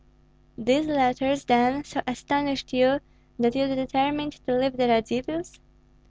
"These letters, then, so astonished you that you determined to leave the Radzivills?"